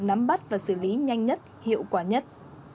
nắm bắt và xử lý nhanh nhất hiệu quả nhất